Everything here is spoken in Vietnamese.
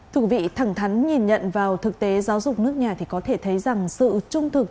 thưa quý vị thẳng thắn nhìn nhận vào thực tế giáo dục nước nhà thì có thể thấy rằng sự trung thực